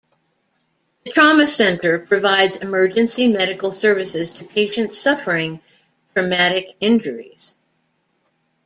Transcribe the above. The trauma centre provides emergency medical services to patients suffering traumatic injuries.